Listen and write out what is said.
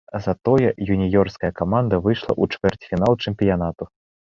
Затое юніёрская каманда выйшла ў чвэрцьфінал чэмпіянату.